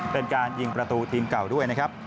เป็นการยิงประตูทีมเก่าด้วยนะครับ